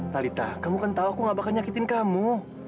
talita kamu kan tahu aku gak bakal nyakitin kamu